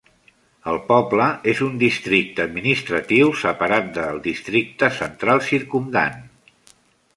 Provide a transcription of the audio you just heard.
El poble és un districte administratiu separat del districte central circumdant.